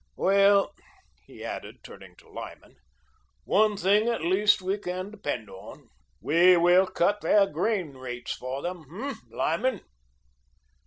Well," he added, turning to Lyman, "one thing at least we can depend on. We will cut their grain rates for them, eh, Lyman?"